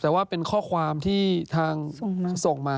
แต่ว่าเป็นข้อความที่ทางส่งมา